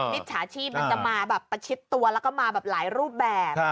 มิตรชาชีมันจะมาประชิดตัวแล้วก็มาหลายรูปแบบ